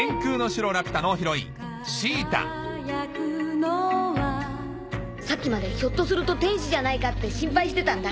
まずはさっきまでひょっとすると天使じゃないかって心配してたんだ。